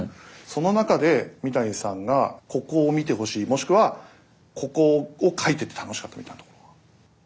その中で三谷さんがここを見てほしいもしくはここを書いてて楽しかったみたいなところは？